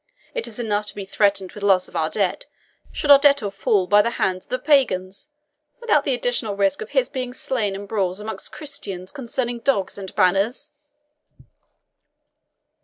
It is enough to be threatened with loss of our debt, should our debtor fall by the hands of the pagans, without the additional risk of his being slain in brawls amongst Christians concerning dogs and banners."